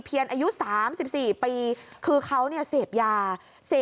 นี่มันเป็นไงนี่มันเป็นไง